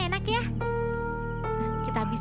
ini bau ya bau